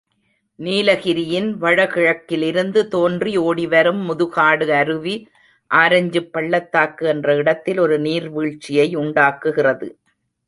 நீலகிரியின் வடகிழக்கிலிருந்து தோன்றி ஓடிவரும் முதுகாடு அருவி, ஆரஞ்சுப் பள்ளத்தாக்கு என்ற இடத்தில் ஒரு நீர்வீழ்ச்சியை உண்டாக்குகிறது.